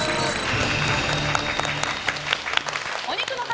お肉の塊